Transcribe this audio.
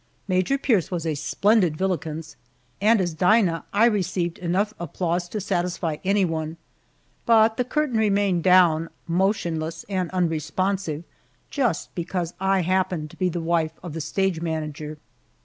Major Pierce was a splendid Villikins, and as Dinah I received enough applause to satisfy anyone, but the curtain remained down, motionless and unresponsive, just because I happened to be the wife of the stage manager!